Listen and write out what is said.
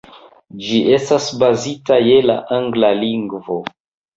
Ĝi estas bazita je la angla lingvo.